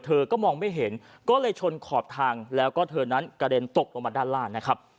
เธอก็มองไม่เห็นก็เลยชนขอบทางแล้วก็เธอนั้นกระเด็นตกลงมาด้านล่างนะครับ